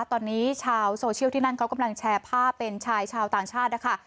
ตอนนี้ชาวโซเชียลที่นั่นเขากำลังแชร์ภาพเป็นชายชาวต่างชาตินะคะ